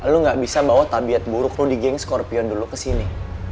lo gak bisa bawa tabiat buruk lo di geng skorpion dulu kesini